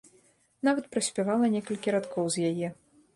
Нават праспявала некалькі радкоў з яе.